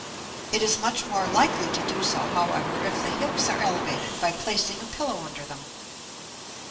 It is much more likely to do so, however, if the hips are elevated by placing a pillow under them.